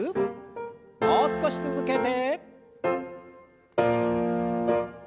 もう少し続けて。